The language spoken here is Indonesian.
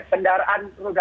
bch ya ine balik ke indonesia